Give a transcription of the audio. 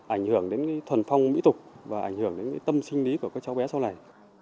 ảnh hưởng đến thuần phong mỹ tục và ảnh hưởng đến tâm sinh lý của các cháu bé sau này